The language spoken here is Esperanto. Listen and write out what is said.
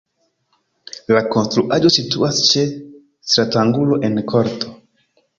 La konstruaĵo situas ĉe stratangulo en korto.